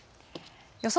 予想